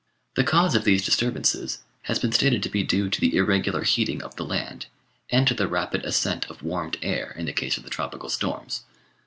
The cause of these disturbances has been stated to be due to the irregular heating of the land, and to the rapid ascent of warmed air in the case of the tropical storms.